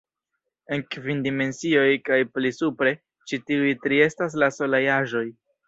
En kvin dimensioj kaj pli supre, ĉi tiuj tri estas la solaj aĵoj.